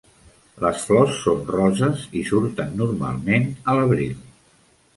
Les flors són roses i surten normalment a l'abril.